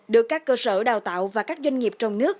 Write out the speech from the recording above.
được các cơ sở đào tạo và các doanh nghiệp trong nước